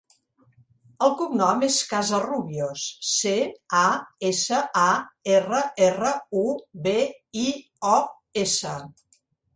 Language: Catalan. El cognom és Casarrubios: ce, a, essa, a, erra, erra, u, be, i, o, essa.